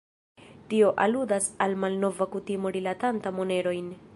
Tio aludas al malnova kutimo rilatanta monerojn.